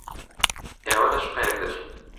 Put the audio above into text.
ئێوە لە شوقەیەک دەژین.